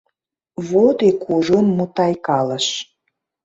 — Вот и кужун мутайкалыш.